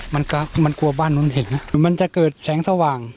มันกมันกลัวบ้านมันเห็นมันจะเกิดแสงสะวาง